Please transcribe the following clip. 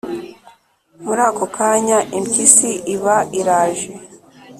Muri ako kanya impyisi iba iraje